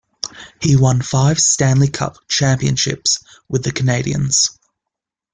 He won five Stanley Cup championships with the Canadiens.